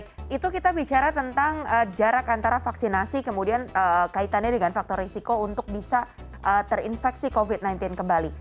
oke itu kita bicara tentang jarak antara vaksinasi kemudian kaitannya dengan faktor risiko untuk bisa terinfeksi covid sembilan belas kembali